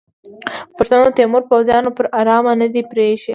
پښتنو د تیمور پوځیان پر ارامه نه دي پریښي.